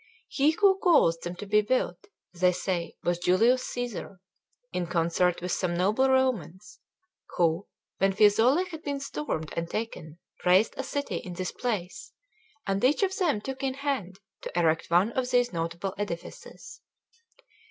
He who caused them to built, they say, was Julius Cæsar, in concert with some noble Romans, who, when Fiesole had been stormed and taken, raised a city in this place, and each of them took in hand to erect one of these notable edifices.